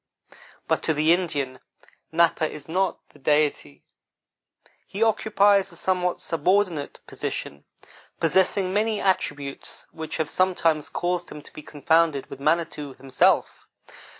But to the Indian, Napa is not the Deity; he occupies a somewhat subordinate position, possessing many attributes which have sometimes caused him to be confounded with Manitou, himself.